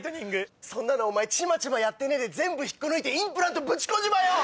そんなのちまちまやってねえで全部引っこ抜いてインプラントぶち込んじまえよ。